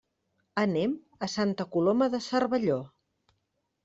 Anem a Santa Coloma de Cervelló.